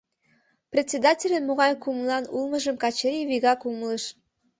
Председательын могай кумылан улмыжым Качырий вигак умылыш.